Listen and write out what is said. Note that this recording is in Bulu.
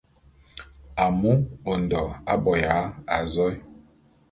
Amu Ondo aboya azoé.